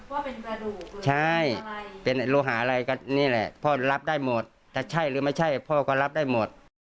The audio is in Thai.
ว่าเป็นบาโลใช่เป็นโลหาอะไรก็นี่แหละพ่อรับได้หมดแต่ใช่หรือไม่ใช่พ่อก็รับได้หมด